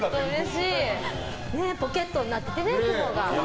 ポケットになってて、雲が。